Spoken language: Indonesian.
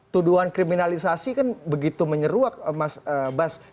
tuduhan kriminalisasi kan begitu menyeruak mas bas ketika kemudian rejeksinya